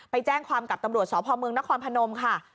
ไปแจ้งความกับตำรวจสพเมืองนครพนมค่ะ